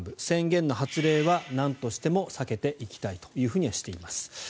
宣言の発令はなんとしても避けていきたいとしています。